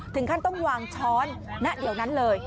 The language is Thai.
ถึงขั้นต้องวางช้อนณเดี๋ยวนั้นเลย